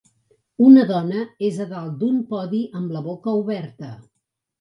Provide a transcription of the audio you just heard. Una dona és a dalt d'un podi amb la boca oberta.